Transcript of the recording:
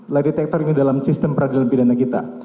lay detektor ini dalam sistem peradilan pidana kita